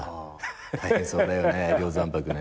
大変そうだよね梁山泊ね。